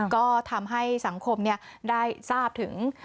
ก็ทำให้สังคมได้ทราบถึง